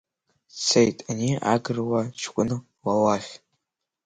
Дцеит ани агыруа ҷкәын ла лахь.